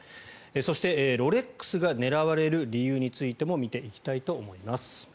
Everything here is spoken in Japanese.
そして、ロレックスが狙われる理由についても見ていきたいと思います。